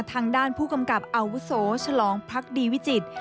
ทางด้านผู้กำกับอาวุโสฉลองพักดีวิจิตร